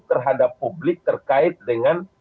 terhadap publik terkait dengan